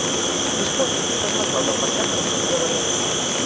Disculpi, portem la clau del mercat de la senyora Verdaguer.